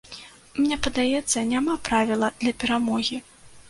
Мне падаецца, няма правіла для перамогі.